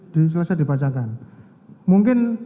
diselesai dipacangkan mungkin